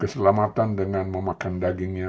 keselamatan dengan memakan dagingnya